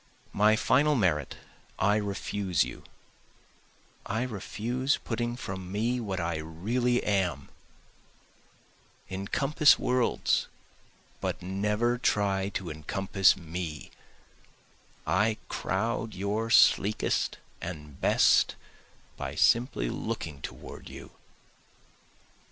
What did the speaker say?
My final merit I refuse you, I refuse putting from me what I really am, Encompass worlds, but never try to encompass me, I crowd your sleekest and best by simply looking toward you.